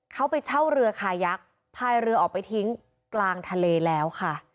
เขาไปเช่าเรือคายักษ์พายเรือออกไปทิ้งกลางทะเลแล้วค่ะ